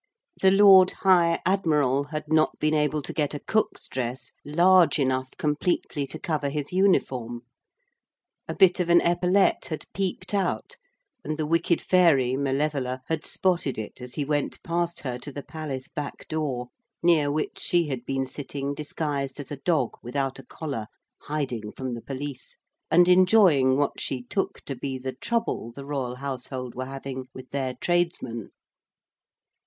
The Lord High Admiral had not been able to get a cook's dress large enough completely to cover his uniform; a bit of an epaulette had peeped out, and the wicked fairy, Malevola, had spotted it as he went past her to the palace back door, near which she had been sitting disguised as a dog without a collar hiding from the police, and enjoying what she took to be the trouble the royal household were having with their tradesmen.